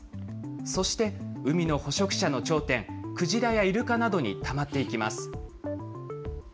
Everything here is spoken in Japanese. そして、海の捕食者の頂点、クジラやイルカなどにたまっていきます。